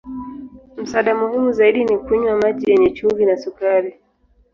Msaada muhimu zaidi ni kunywa maji yenye chumvi na sukari.